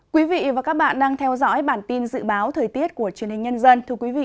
quý vị và các bạn đang theo dõi bản tin dự báo thời tiết của truyền hình nhân dân